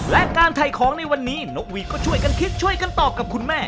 และการถ่ายของในวันนี้นกหวีดก็ช่วยกันคิดช่วยกันตอบกับคุณแม่